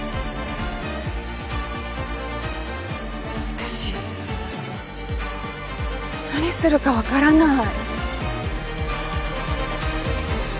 私何するかわからない。